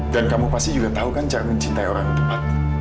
dan kamu pasti juga tau kan cara mencintai orang yang tepat